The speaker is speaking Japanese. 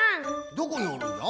どこにおるんじゃ？